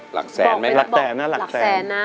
หลักแสนไหมครับหลักแสนนะ